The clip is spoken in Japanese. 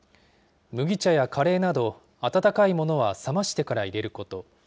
麦茶やカレーなど、温かいものは冷ましてから入れること。